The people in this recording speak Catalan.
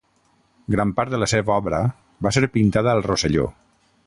Gran part de la seva obra va ser pintada al Rosselló.